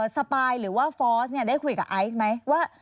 สปายหรือว่าฟอร์สเนี่ยได้คุยกับไอ้ใช่ไหม